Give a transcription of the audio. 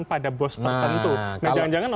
pada bos tertentu nah kalau